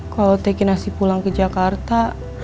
kalau teki nasi pulang ke jakarta